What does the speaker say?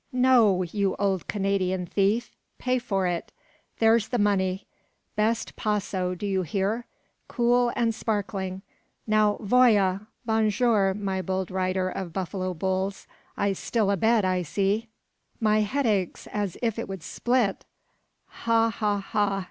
"No, you old Canadian thief! Pay for it. There's the money. Best Paso, do you hear? cool and sparkling. Now, voya! Bon jour, my bold rider of buffalo bulls I still abed, I see." "My head aches as if it would split." "Ha, ha, ha!